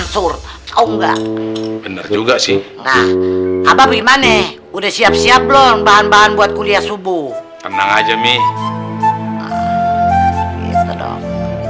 sini udah siap siap loh bahan bahan buat kuliah subuh tenang aja mi itu dong